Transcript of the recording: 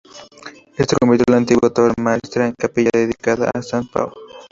Éste convirtió la antigua torre maestra en capilla dedicada a Sant Pau.